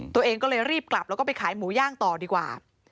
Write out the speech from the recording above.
ตัวเองก็เลยรีบกลับแล้วก็ไปขายหมูย่างต่อดีกว่า